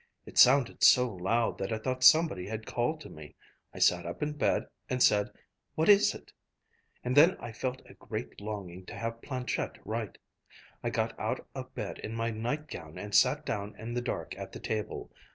It sounded so loud that I thought somebody had called to me. I sat up in bed and said, 'What is it?' and then I felt a great longing to have planchette write. I got out of bed in my nightgown and sat down in the dark at the table.